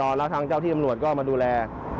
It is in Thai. แล้วทางเจ้าที่ตำรวจก็มาดูแล